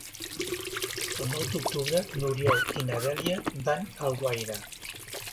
El nou d'octubre n'Oriol i na Dèlia van a Alguaire.